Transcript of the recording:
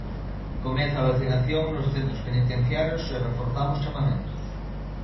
Comeza a vacinación nos centros penitenciarios e reforzamos chamamentos.